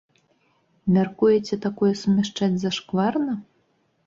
Мяркуеце, такое сумяшчаць зашкварна?